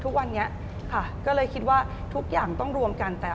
ทุกวันนี้ค่ะก็เลยคิดว่าทุกอย่างต้องรวมกันแต่